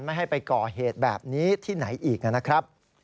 ไม่ให้ไปก่อเหตุแบบนี้ที่ไหนอีกนะครับ